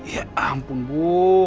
ya ampun bu